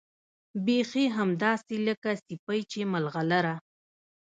بيخي همداسې لکه سيپۍ چې ملغلره